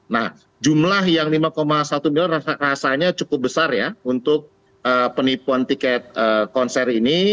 nah jumlah yang lima satu miliar rasanya cukup besar ya untuk penipuan tiket konser ini